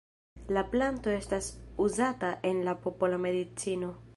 La planto estas uzata en la popola medicino.